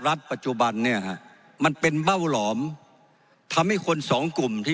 ปัจจุบันเนี่ยฮะมันเป็นเบ้าหลอมทำให้คนสองกลุ่มที่